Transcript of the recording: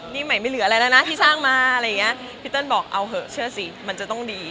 นี่ไม่เหลืออะไรแล้วนะที่สร้างมาพี่เติ้ลบอกเอาเหอะเชื่อสิมันจะต้องดี